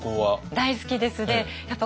大好きです。